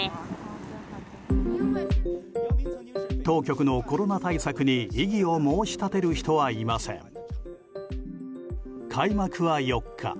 当局のコロナ対策に異議を申し立てる人はいません。